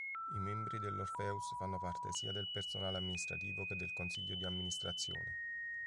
I membri dell'Orpheus fanno parte sia del personale amministrativo che del Consiglio di Amministrazione.